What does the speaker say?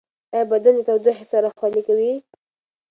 ایا بدن د تودوخې سره خولې کوي؟